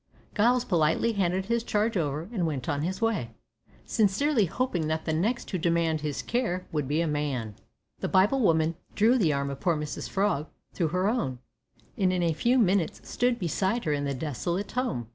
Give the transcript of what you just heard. Giles politely handed his charge over, and went on his way, sincerely hoping that the next to demand his care would be a man. The Bible woman drew the arm of poor Mrs Frog through her own, and in a few minutes stood beside her in the desolate home.